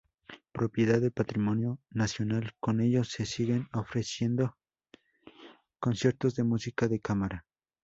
Propiedad del Patrimonio Nacional, con ellos se siguen ofreciendo conciertos de música de cámara.